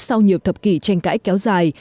sau nhiều thập kỷ tranh cãi kéo dài